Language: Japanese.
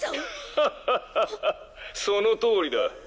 「ハハハハハそのとおりだ」